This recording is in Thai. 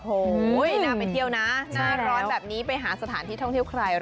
โอ้โหน่าไปเที่ยวนะหน้าร้อนแบบนี้ไปหาสถานที่ท่องเที่ยวใคร